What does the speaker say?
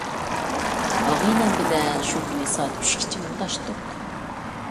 ئاغىنەم بىلەن شۇ كۈنى سائەت ئۈچكىچە مۇڭداشتۇق.